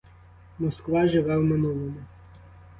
Москва живе в минулому.